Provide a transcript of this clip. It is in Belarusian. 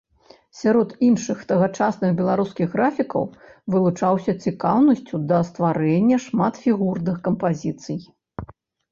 Сярод іншых тагачасных беларускіх графікаў вылучаўся цікаўнасцю да стварэння шматфігурных кампазіцый.